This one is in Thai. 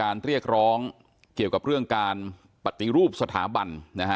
เรียกร้องเกี่ยวกับเรื่องการปฏิรูปสถาบันนะฮะ